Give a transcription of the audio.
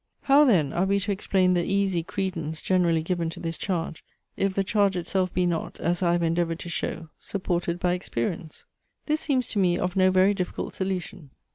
How then are we to explain the easy credence generally given to this charge, if the charge itself be not, as I have endeavoured to show, supported by experience? This seems to me of no very difficult solution.